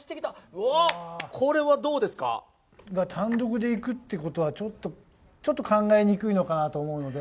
うぉっ、単独でいくってことは、ちょっと、ちょっと考えにくいのかなと思うので。